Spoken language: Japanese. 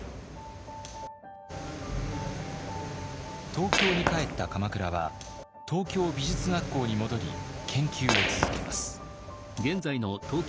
東京に帰った鎌倉は東京美術学校に戻り研究を続けます。